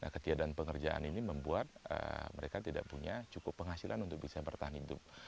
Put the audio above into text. ketiadaan pengerjaan ini membuat mereka tidak punya cukup penghasilan untuk bisa bertahan hidup